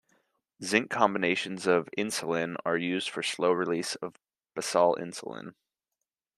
Zinc combinations of insulin are used for slow release of basal insulin.